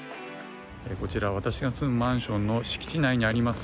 こちら私が住むマンションの敷地内にあります